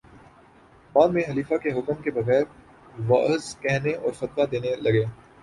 بعد میں خلیفہ کے حکم کے بغیر وعظ کہنے اور فتویٰ دینے لگے